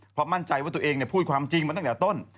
เพราะมั่นใจว่าตัวเองพูดความจริงมาตั้งแต่ต้น